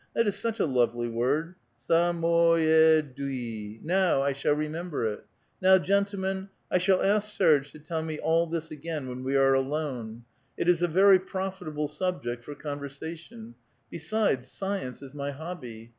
That is such a lovely word : Sa mo ye dui ! Now I shall remember it. Now, gentlemen, I shall ask Serge to tell me all this again when we are alone. It is a very profitable subject for conversation ; besides, science is my hobby.